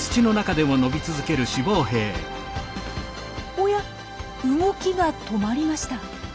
おや動きが止まりました。